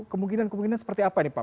kemungkinan kemungkinan seperti apa nih pak